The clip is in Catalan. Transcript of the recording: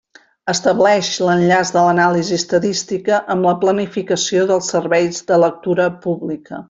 Estableix l'enllaç de l'anàlisi estadística amb la planificació dels serveis de lectura pública.